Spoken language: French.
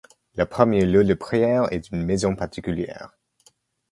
Leur premier lieu de prière est une maison particulière.